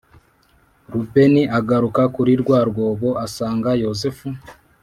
Rubeni agaruka kuri rwa rwobo asanga Yosefu